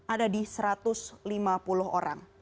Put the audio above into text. ada di satu ratus lima puluh orang